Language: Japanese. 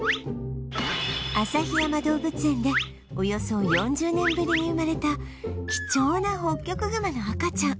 旭山動物園でおよそ４０年ぶりに生まれた貴重なホッキョクグマの赤ちゃん